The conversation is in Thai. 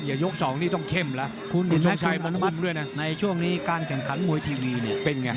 อย่ายกสองนี้ต้องเข้มละคุณแม่งคุณอันมัดในช่วงนี้การแข่งขันมวยทีวีเนี่ย